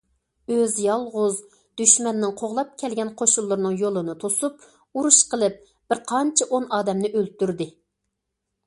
ئۆزى يالغۇز دۈشمەننىڭ قوغلاپ كەلگەن قوشۇنلىرىنىڭ يولىنى توسۇپ ئۇرۇش قىلىپ بىرقانچە ئون ئادەمنى ئۆلتۈردى.